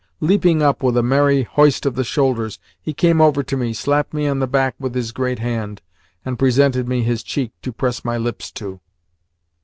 Leaping up with a merry hoist of the shoulders, he came over to me, slapped me on the back with his great hand, and presented me his cheek to press my lips to.